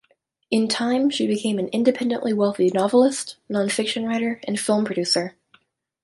In time, she became an independently wealthy novelist, nonfiction writer, and film producer.